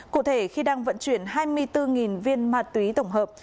cụ thể khi đang vận chuyển hai mươi bốn viên ma túy tổng hợp